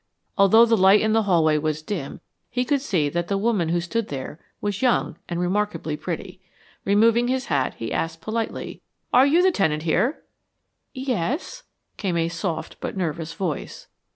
Although the light in the hallway was dim he could see that the woman who stood there was young and remarkably pretty. Removing his hat, he asked politely, "Are you the tenant here?" "Yes," came in a soft but nervous voice.